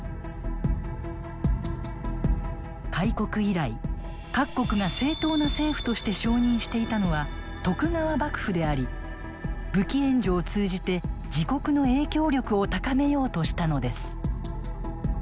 開国以来各国が正統な政府として承認していたのは徳川幕府であり武器援助を通じて自国の影響力を高めようとしたのです。